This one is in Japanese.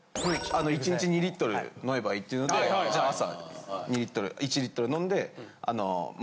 １日２リットル飲めばいいっていうのでじゃあ朝２リットル１リットル飲んであの。